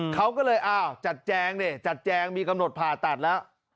เขาก็เลยอ้าวจัดแจงดิจัดแจงมีกำหนดผ่าตัดแล้ว